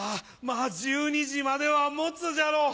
まぁ１２時までは持つじゃろう。